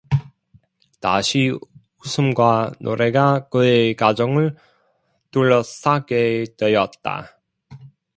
다시 웃음과 노래가 그의 가정을 둘러싸게 되었다.